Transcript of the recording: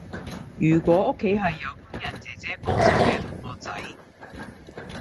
如果屋企係有工人姐姐幫手嘅同學仔